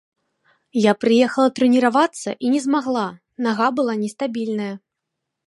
Я прыехала трэніравацца і не змагла, нага была нестабільная.